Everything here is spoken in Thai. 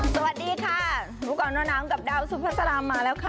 สวัสดีค่ะลูกการณ์นอนน้ำกับดาวซุภาษลามมาแล้วค่ะ